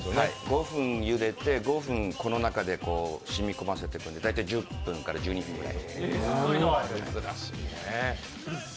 ５分ゆでて、５分この中で染み込ませていくので、大体１０分から１２分くらい。